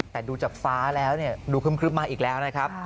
แต่ดูจับฟ้าแล้วดูขึ้มคลึบมาอีกแล้วนะครับ